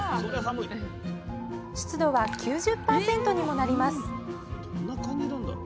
湿度は９０％にもなります